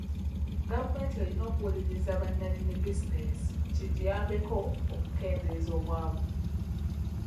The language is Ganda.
Gavumenti erina okuwuliriza bananyini bizinesi kiyambeko okukendezza obwavu.